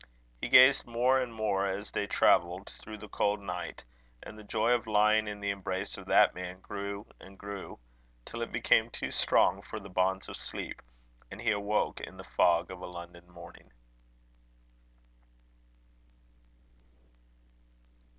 He gazed more and more as they travelled through the cold night; and the joy of lying in the embrace of that man, grew and grew, till it became too strong for the bonds of sleep; and he awoke in the fog of a London morning.